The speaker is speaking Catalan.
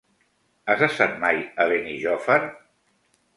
Has estat mai a Benijòfar?